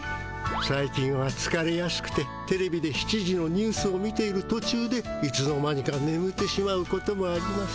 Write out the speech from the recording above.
最近はつかれやすくてテレビで７時のニュースを見ているとちゅうでいつの間にかねむってしまうこともあります。